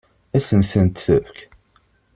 Ad sen-tent-tefk?